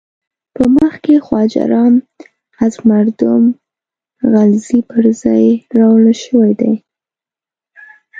په مخ کې خواجه رام از مردم غلزی پر ځای راوړل شوی دی.